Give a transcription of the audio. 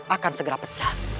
akan segera pecah